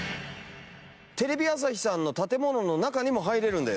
テレビ朝日さんの建物の中にも入れるんです。